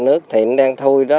nước thì nó đang thui đó